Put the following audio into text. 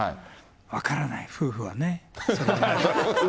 分からない、夫婦はね。